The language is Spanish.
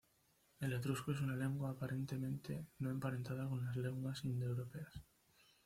El etrusco es una lengua aparentemente no emparentada con las lenguas indoeuropeas.